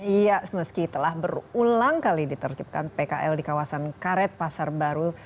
iya meski telah berulang kali ditertibkan pkl di kawasan karet pasar baru